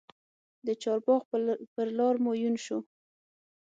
د چارباغ پر لار مو یون سو